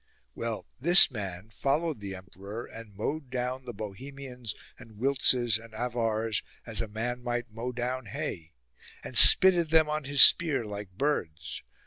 " Well, this man followed the emperor and mowed down the Bohemians and Wiltzes and Avars as a man might mow down hay ; and spitted them on his spear like birds.